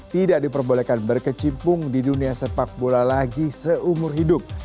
tidak diperbolehkan berkecimpung di dunia sepak bola lagi seumur hidup